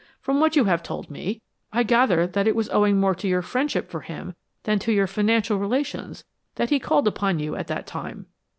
From what you have told me I gather that it was owing more to your friendship for him, than to your financial relations, that he called upon you at that time."